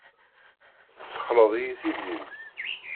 Tessexleɛ-iyi Tiziri.